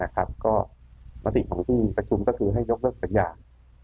ก็ประสิทธิ์ของชีวิตกระชุมคือให้ยกเลิกกันอย่าง